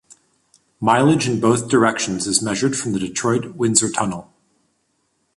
Mileage in both directions is measured from the Detroit-Windsor Tunnel.